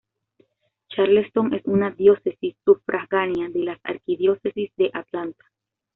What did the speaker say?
Charleston es una diócesis sufragánea de la Arquidiócesis de Atlanta.